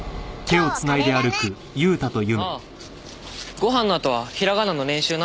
ご飯のあとはひらがなの練習な。